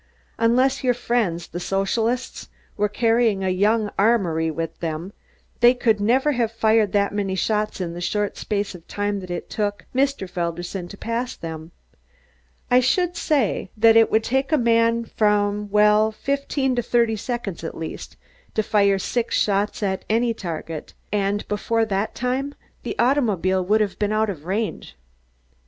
Unless your friends, the Socialists, were carrying a young armory with them, they could never have fired that many shots in the short space of time that it took Mr. Felderson to pass them. I should say that it would take a man from well, from fifteen to thirty seconds, at least, to fire six shots at any target, and before that time, the automobile would have been out of range."